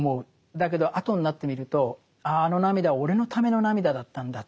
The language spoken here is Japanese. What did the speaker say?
だけど後になってみるとあああの涙は俺のための涙だったんだって。